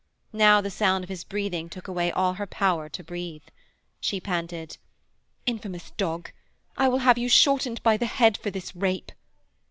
Now the sound of his breathing took away all her power to breathe. She panted: 'Infamous dog, I will have you shortened by the head for this rape.'